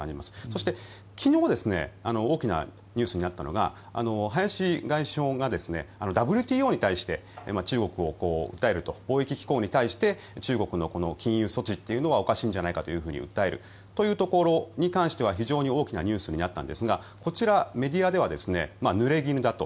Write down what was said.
そして、昨日大きなニュースになったのが林外相がＷＴＯに対して中国を訴えると貿易機構に対して中国のこの禁輸措置はおかしいんじゃないかと訴えるというところに関しては非常に大きなニュースになったんですがこちら、メディアではぬれぎぬだと。